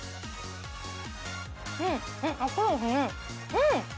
うん！